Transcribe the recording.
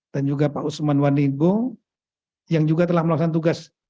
dan juga pak usman wanigbo yang juga telah melaksan tugas